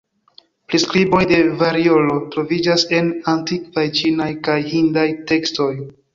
Priskriboj de variolo troviĝas en antikvaj ĉinaj kaj hindaj tekstoj.